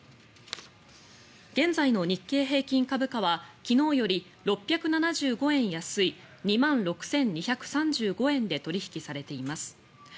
現在の日経平均株価は昨日より６７５円安い２万６２３５円で取引されています。